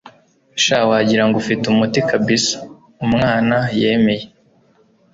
sha wagirango ufite umuti kbs umwana yemeye